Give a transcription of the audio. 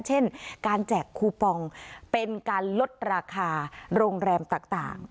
เช่นการแจกคูปองเป็นการลดราคาโรงแรมต่าง